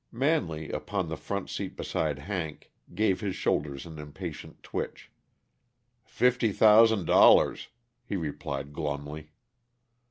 Manley, upon the front seat beside Hank, gave his shoulders an impatient twitch. "Fifty thousand dollars," he replied glumly.